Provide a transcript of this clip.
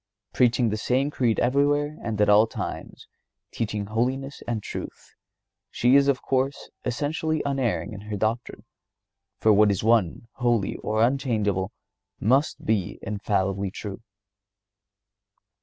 Preaching the same creed everywhere and at all times; teaching holiness and truth, she is, of course, essentially unerring in her doctrine; for what is one, holy or unchangeable must be infallibly true.